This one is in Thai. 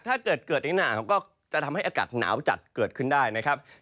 ถ้าเกิดเกิดอีกหนาวก็จะทำให้อากาศหนาวจัดเกิดขึ้นได้นะครับ